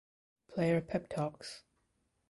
Player pep talks.